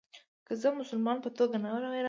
که زه د مسلمان په توګه نه وای راغلی.